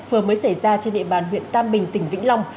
vừa mới xảy ra trên địa bàn huyện tam bình tỉnh vĩnh long